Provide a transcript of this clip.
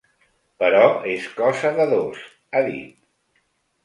Però és cosa de dos, ha dit.